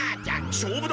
しょうぶだ！